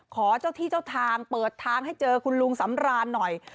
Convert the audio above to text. ขอเจ้าที่เจ้าทางเปิดทางให้เจอคุณลุงสำรานหน่อย